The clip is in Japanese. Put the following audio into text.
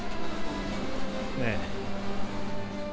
ねえ。